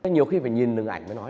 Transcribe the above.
nhiều khi phải nhìn được ảnh mới nói